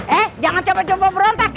eh jangan coba coba berontak ya